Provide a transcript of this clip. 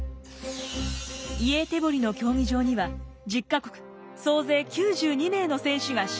イエーテボリの競技場には１０か国総勢９２名の選手が集結。